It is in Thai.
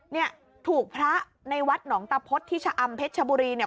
เนี่ยถูกพระในวัดหนองตะพดที่ชะอำเพชรชบุรีเนี่ย